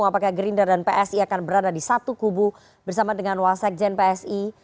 apakah gerindra dan psi akan berada di satu kubu bersama dengan wasek jen psi